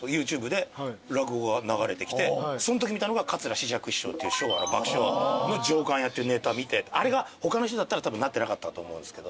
そんとき見たのが桂枝雀師匠っていう昭和の爆笑王の『上燗屋』っていうネタを見てあれが他の人だったらたぶんなってなかったと思うんですけど。